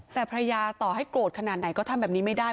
แต่ภรรยาต่อให้โกรธขนาดไหนก็ทำแบบนี้ไม่ได้